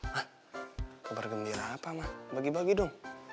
hah kabar gembira apa mah bagi bagi dong